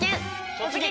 「突撃！